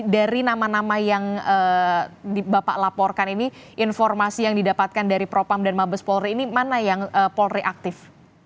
dari nama nama yang bapak laporkan ini informasi yang didapatkan dari propam dan mabes polri ini mana yang polri aktif